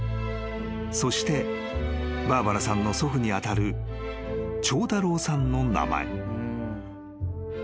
［そしてバーバラさんの祖父に当たる長太郎さんの名前］